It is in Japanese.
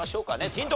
ヒント